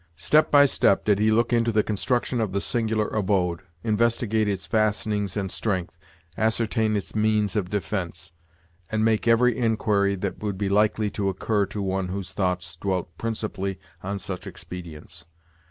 Step by step did he look into the construction of the singular abode, investigate its fastenings and strength, ascertain its means of defence, and make every inquiry that would be likely to occur to one whose thoughts dwelt principally on such expedients.